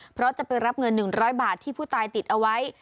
เพราะจะไปรับเงิน๑๐๐บาทที่ผู้ตายติดเอาไว้